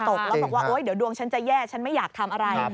บอกว่าโอ๊ยเดี๋ยวดวงฉันจะแย่ฉันไม่อยากทำอะไร